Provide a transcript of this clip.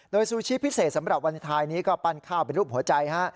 โดยซูชิพิเศษสำหรับวาเลนไทยนี้ก็ปั้นข้าวเป็นรูปหัวใจฮะ